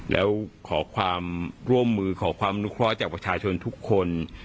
แล้วขอความร่วมมือขอความนุเคราะห์จากประชาชนทุกคน